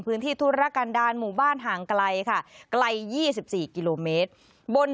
พื้นที่ทุรกันดานหมู่บ้านห่างกลายค่ะกลาย๒๔กิโลเมตรบน